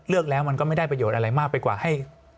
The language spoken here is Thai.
เลือกแล้วมันก็ไม่ได้ประโยชน์อะไรมากไปกว่าให้